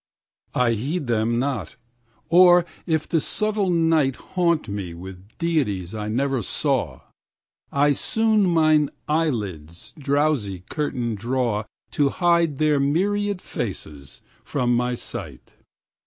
9I heed them not; or if the subtle night10Haunt me with deities I never saw,11I soon mine eyelid's drowsy curtain draw12To hide their myriad faces from my sight.